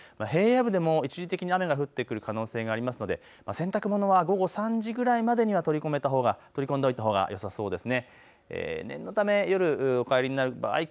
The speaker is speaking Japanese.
平野部でも一時的に雨が降ってくる可能性があるので洗濯物は午後３時ぐらいまでには取り込んでおいたほうがよさそうです。